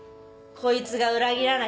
こいつが裏切らなきゃな。